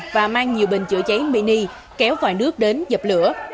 và mang nhiều bình chữa cháy mini kéo vòi nước đến dập lửa